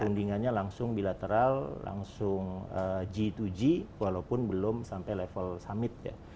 perundingannya langsung bilateral langsung g dua g walaupun belum sampai level summit ya